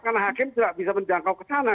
karena hakim tidak bisa menjangkau ke sana